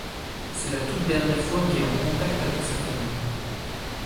C’est la toute dernière fois qu’ est en contact avec sa famille.